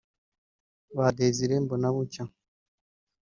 Ba Désiré Mbonabucya